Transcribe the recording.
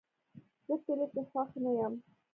زه کلي کې خوښ نه یم